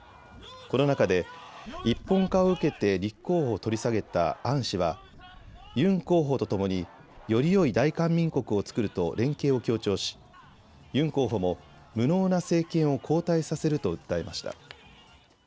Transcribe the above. この中で、一本化を受けて立候補を取り下げたアン氏は、ユン候補と共によりよい大韓民国を作ると連携を強調しユン候補も無能な政権を交代させると訴えました。